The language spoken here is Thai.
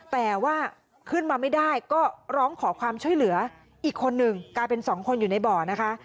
แต่ว่าขึ้นมาไม่ได้ก็ร้องขอความช่วยเหลืออีกคนหนึ่งกลายเป็นสองคนอยู่ในบ่อนะคะ